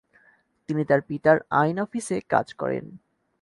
তিনি তার পিতার আইন অফিসে কাজ করেন।